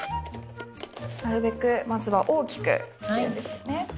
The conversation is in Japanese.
なるべくまずは大きく切るんですね。